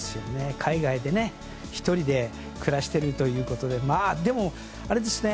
海外で１人で暮らしているということででも、あれですね。